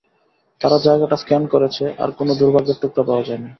তারা জায়গাটা স্ক্যান করেছে, আর কোনো দুর্ভাগ্যের টুকরো পাওয়া যায়নি।